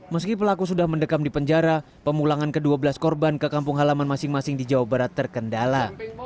meski pelaku sudah mendekam di penjara pemulangan ke dua belas korban ke kampung halaman masing masing di jawa barat terkendala